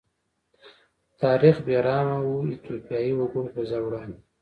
تاریخ بې رحمه و د ایتوپیايي وګړو په وړاندې.